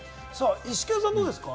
イシケンさんはどうですか？